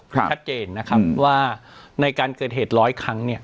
ชัดเจนนะครับว่าในการเกิดเหตุร้อยครั้งเนี่ย